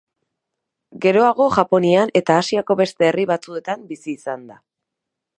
Geroago Japonian eta Asiako beste herri batzuetan bizi izan da.